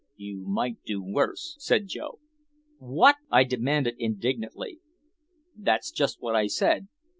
"You might do worse," said Joe. "What?" I demanded indignantly. "That's just what I said.